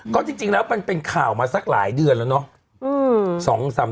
ก็จริงแล้วมันเป็นข่าวมาสักหลายเดือนแล้วเนาะ